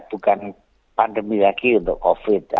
bukan pandemi lagi untuk covid